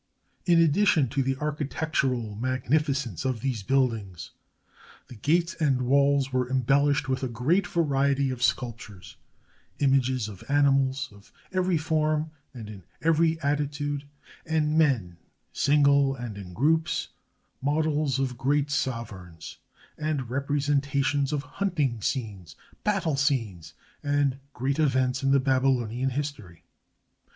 In addition to the architectural magnificence of the buildings, the gates and walls were embellished with a great variety of sculptures : images of animals, of every form and in every attitude; and men, single and in groups, models of great sovereigns, and representations of hunting scenes, battle scenes, and great events in the Babylonian history.